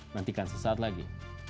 nantikan sesaat lagi